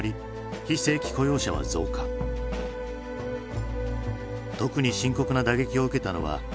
特に深刻な打撃を受けたのは若者たちだ。